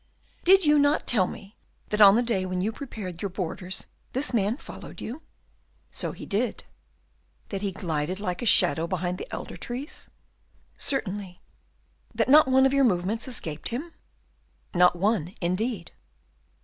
"Did you not tell me that on the day when you prepared your borders this man followed you?" "So he did." "That he glided like a shadow behind the elder trees?" "Certainly." "That not one of your movements escaped him?" "Not one, indeed."